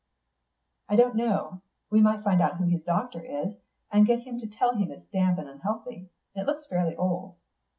"I don't know. We might find out who his doctor is, and get him to tell him it's damp and unhealthy. It looks fairly old."